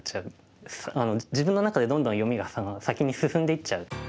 自分の中でどんどん読みが先に進んでいっちゃう。